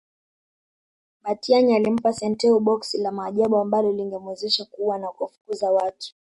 Mbatiany alimpa Santeu boksi la Maajabu ambalo lingemwezesha kuua na kufukuza watu